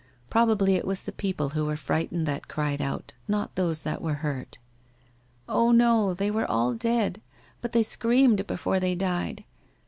Probably it was the people who were frightened that cried out, not those that were hurt.' ' Oh, no, they were all dead, but they screamed before they died